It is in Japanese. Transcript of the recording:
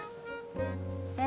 え